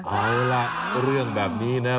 เอาล่ะเรื่องแบบนี้นะ